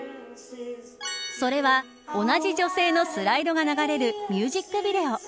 それは同じ女性のスライドが流れるミュージックビデオ。